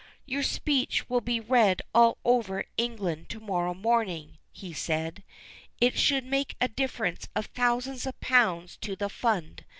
"Your speech will be read all over England to morrow morning," he said. "It should make a difference of thousands of pounds to the fund.